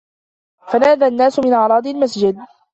فَنَادَى النَّاسُ مِنْ أَعْرَاضِ الْمَسْجِدِ